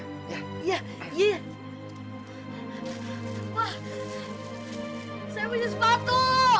saya punya sepatu